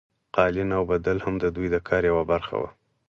قالین اوبدل هم د دوی د کار یوه برخه وه.